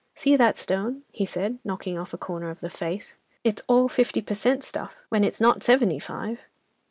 "See that stone," he said, knocking off a corner of the "face," "it's all fifty per cent. stuff—when it's not seventy five.